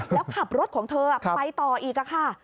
แล้วขับรถของเธอไปต่ออีกค่ะ